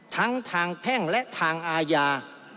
ทั้งทางแพ่งและทางอาญา